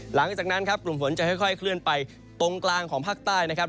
หลังจากนั้นครับกลุ่มฝนจะค่อยเคลื่อนไปตรงกลางของภาคใต้นะครับ